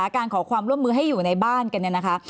การขอความร่วมมือให้อยู่ในบ้านกันเนี่ยนะคะ